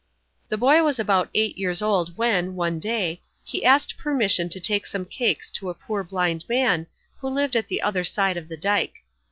The boy was about eight years old when, one day, he asked permission to take some cakes to a poor blind man, who lived at the other side of the dike.